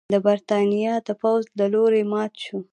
د برېټانیا د پوځ له لوري مات شو.